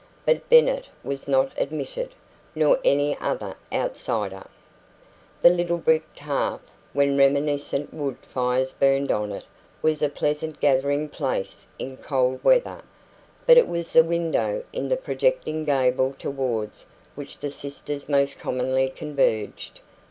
But Bennet was not admitted, nor any other outsider. The little bricked hearth, when reminiscent wood fires burned on it, was a pleasant gathering place in cold weather; but it was the window in the projecting gable towards which the sisters most commonly converged.